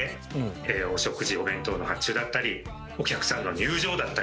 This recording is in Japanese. お食事お弁当の発注だったりお客さんの入場だったり。